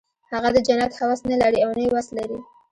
هغه د جنت هوس نه لري او نه یې وس لري